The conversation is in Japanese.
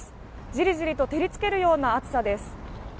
じりじりと照りつけるような暑さです。